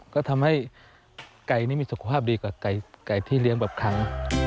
ก็ทำให้ไก่นี่มีสุขภาพดีกว่าไก่ที่เลี้ยงแบบครั้ง